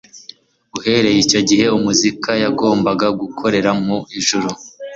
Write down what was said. Uhereye icyo gihe, Umukiza yagombaga gukorera mu ijuru,